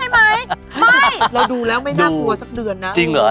เม้ยไม่ใช่ใช่มั้ย